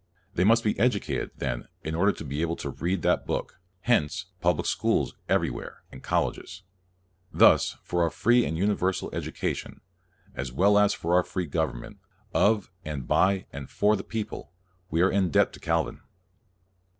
They must be educated, then, in order to be able to read that book; hence, public schools everywhere, and colleges. Thus for our free and universal education, as well as CALVIN 121 for our free government, of and by and for the people, we are in debt to Calvin.